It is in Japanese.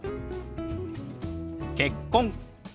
「結婚」。